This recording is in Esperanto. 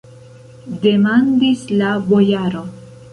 demandis la bojaro.